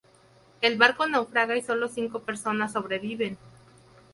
El barco naufraga y sólo cinco personas sobreviven.